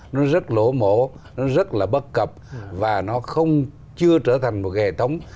nó rất lỗ mỗ nó rất là bất cập và nó không chưa trở thành một hệ thống